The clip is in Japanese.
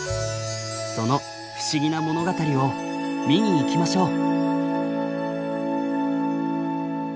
その不思議な物語を見に行きましょう。